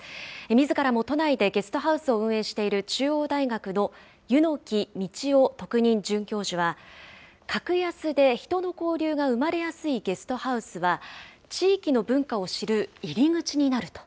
みずからも都内でゲストハウスを運営している、中央大学の柚木理雄特任准教授は、格安で人の交流が生まれやすいゲストハウスは、地域の文化を知る入り口になると。